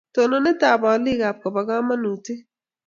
Tononet ab alikek koba kamanutik